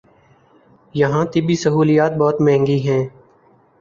یہاں طبی سہولیات بہت مہنگی ہیں